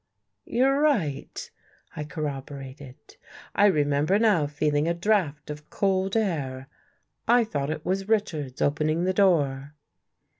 " You're right," I corroborated. " I remember now feeling a draft of cold air. I thought it was Richards opening the door."